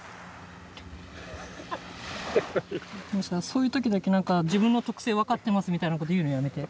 そういう時だけ何か「自分の特性分かってます」みたいなこと言うのやめて。